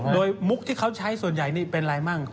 โดยมุกที่เขาใช้ส่วนใหญ่นี่เป็นอะไรมั่ง